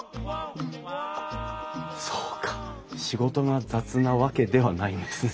そうか仕事が雑なわけではないんですね。